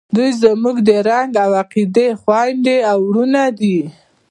دوئ زموږ د رنګ او عقیدې خویندې او ورونه دي.